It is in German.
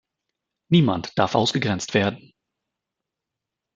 Niemand darf ausgegrenzt werden.